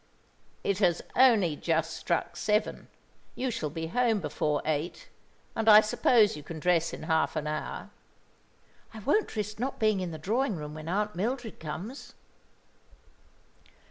"It has only just struck seven. You shall be home before eight, and I suppose you can dress in half an hour." "I won't risk not being in the drawing room when Aunt Mildred comes."